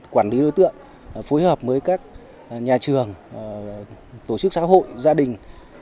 quản lý đối tượng phối hợp với các nhà trường tổ chức xã hội gia đình